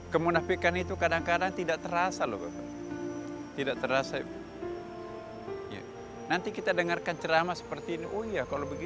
kemunafikan itu kadang kadang tidak terasa dengan kemampuan kita sendiri